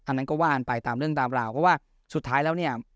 อันนั้นก็ว่ากันไปตามเรื่องตามราวเพราะว่าสุดท้ายแล้วเนี่ย